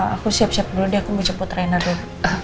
aku siap siap dulu deh aku mau jemput raina dulu